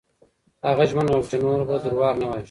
هغه ژمنه وکړه چې نور به درواغ نه وايي.